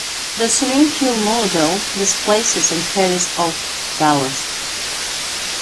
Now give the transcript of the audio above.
The swing keel model displaces and carries of ballast.